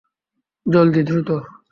জলদি, দ্রুত।